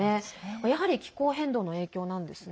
やはり気候変動の影響なんですね。